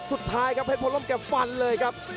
สุดท้ายครับเผ็ดบนร่มกับฟันเลยครับ